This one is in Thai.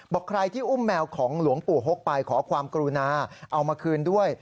บอกใครที่อุ้มแมวของหลวงปู่หกไปขอความกรุณาเอามาคืนด้วย